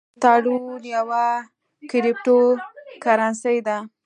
ټرون یوه کریپټو کرنسي ده